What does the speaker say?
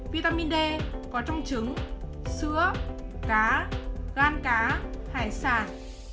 vitamin d có trong trứng sữa cá gan cá hải sản